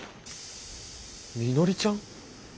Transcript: みのりちゃん！？